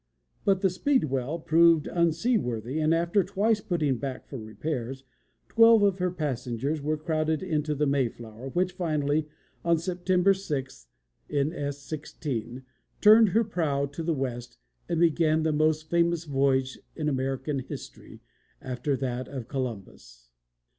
But the Speedwell proved unseaworthy, and after twice putting back for repairs, twelve of her passengers were crowded into the Mayflower, which finally, on September 6 (N. S. 16), turned her prow to the west, and began the most famous voyage in American history, after that of Columbus.